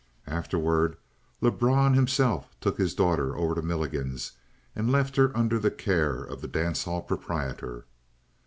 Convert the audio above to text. Afterward, Lebrun himself took his daughter over to Milligan's and left her under the care of the dance hall proprietor.